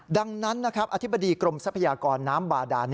ดังนั้นนะครับอธิบดีกรมทรัพยากรน้ำบาดาน